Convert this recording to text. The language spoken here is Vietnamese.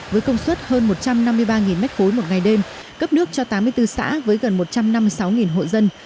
với công suất hơn một trăm năm mươi ba m ba một ngày đêm cấp nước cho tám mươi bốn xã với gần một trăm năm mươi sáu hộ dân